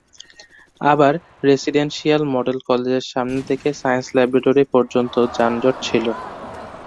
আবার residential model কলেজের সামনে থেকে সায়েন্স ল্যাবরেটরি পর্যন্ত যানজট ছিল।